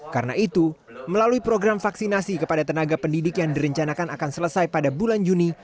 karena itu melalui program vaksinasi kepada tenaga pendidik yang direncanakan akan selesai pada bulan juni